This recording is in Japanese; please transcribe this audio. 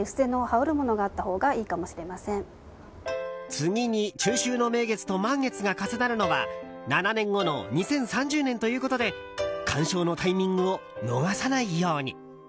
次に中秋の名月と満月が重なるのは７年後の２０３０年ということで観賞のタイミングを逃さないように。